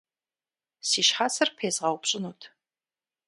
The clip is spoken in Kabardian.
Си щхьэцыр пезгъэупщӏынут.